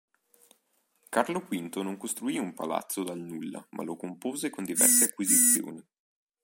Carlo V non costruì un palazzo dal nulla, ma lo compose con diverse acquisizioni.